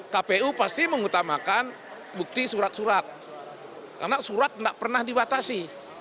kpu pasti mengutamakan bukti surat surat karena surat tidak pernah dibatasi